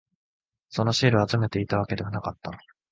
そのシールを集めていたわけではなかった。